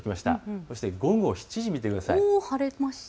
そして午後７時を見てください。